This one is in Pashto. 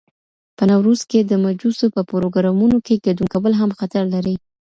په نوروز کي د مجوسو په پروګرامونو کي ګډون کول هم خطر لري.